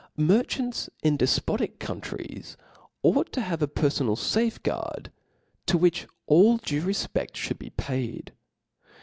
Merchants in defpotic countries ought to have a perfonal fafeguard, to which all due refpeft (hould be paid.